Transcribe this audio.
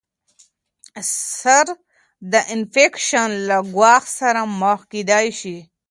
سر د انفیکشن له ګواښ سره مخ کیدای شي.